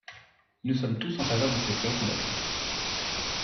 Nous sommes tous en faveur de cette loi fondatrice.